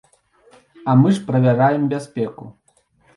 А мы ж правяраем бяспеку.